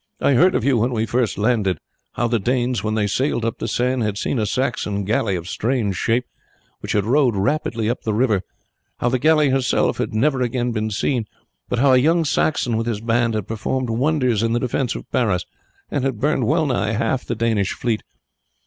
I heard of you when we first landed how the Danes, when they sailed up the Seine, had seen a Saxon galley of strange shape which had rowed rapidly up the river; how the galley herself had never again been seen; but how a young Saxon with his band had performed wonders in the defence of Paris, and had burned well nigh half the Danish fleet.